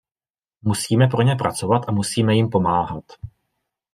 Musíme pro ně pracovat a musíme jim pomáhat.